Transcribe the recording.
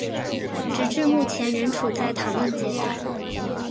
直至目前仍处在讨论阶段。